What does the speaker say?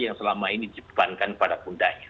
yang selama ini dibebankan pada kudanya